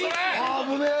危ねえ！